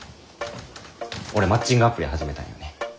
俺マッチングアプリ始めたんよね。